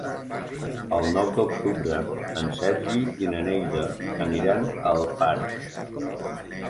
El nou d'octubre en Sergi i na Neida aniran a Alfarb.